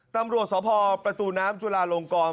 ตำรวจสพประตูน้ำจุลาลงกร